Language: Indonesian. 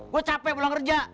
gue capek pulang kerja